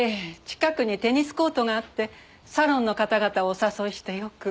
近くにテニスコートがあってサロンの方々をお誘いしてよく。